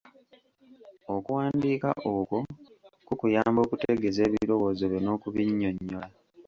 Okuwandiika okwo kukuyamba okutegeeza ebirowoozo byo n'okubinnyonnyola.